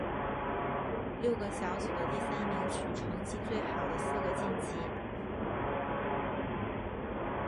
六个小组的第三名取成绩最好的四个晋级。